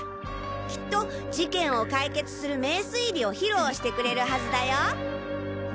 きっと事件を解決する名推理を披露してくれるはずだよ。